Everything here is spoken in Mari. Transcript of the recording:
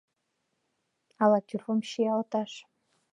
Ала тӱрвым чиялташ?